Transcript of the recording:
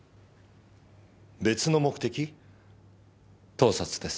盗撮です。